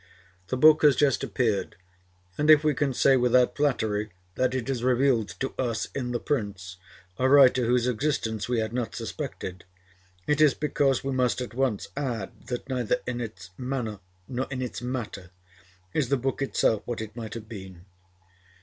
The book has just appeared; and if we can say without flattery that it has revealed to us in the Prince a writer whose existence we had not suspected, it is because we must at once add that neither in its manner nor in its matter is the book itself what it might have been.